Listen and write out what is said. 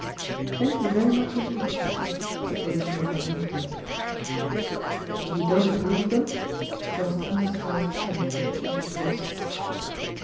'' Thank you very much indeed, Patricia," said Lady Tanagra meekly. ' You don't approve of them ?" There was undisguised challenge in Patricia's voice.